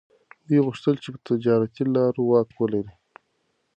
دوی غوښتل چي پر تجارتي لارو واک ولري.